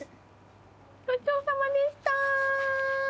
ごちそうさまでした。